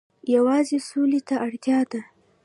یوازې سولې ته اړتیا ده.